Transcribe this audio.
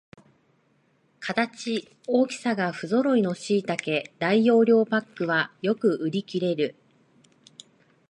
形、大きさがふぞろいのしいたけ大容量パックはよく売りきれる